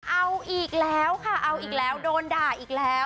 เอาอีกแล้วค่ะเอาอีกแล้วโดนด่าอีกแล้ว